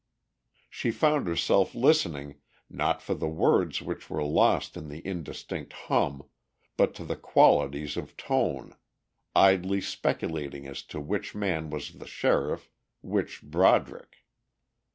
She found herself listening, not for the words which were lost in the indistinct hum, but to the qualities of tone, idly speculating as to which man was the sheriff, which Broderick.